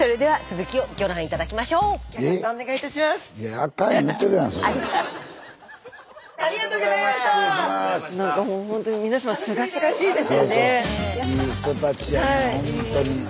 はい。